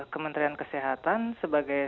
kementerian kesehatan sebagai